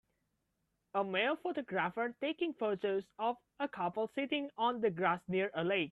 A male photographer taking photos of a couple sitting on the grass near a lake.